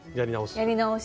やり直し。